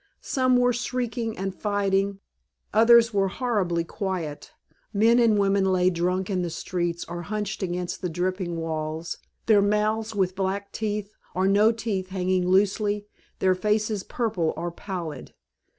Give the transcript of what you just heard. Some were shrieking and fighting, others were horribly quiet. Men and women lay drunk in the streets or hunched against the dripping walls, their mouths with black teeth or no teeth hanging loosely, their faces purple or pallid.